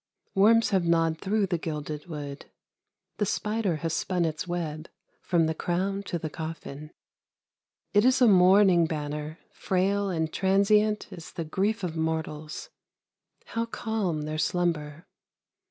Worms have gnawed through the gilded wood; the spider has spun its web from the crown to the coffin. It is a mourning banner, frail and transient as the grief of mortals. How calm their slumber!